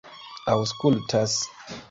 aŭskultas